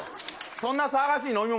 そんな騒がしい飲み物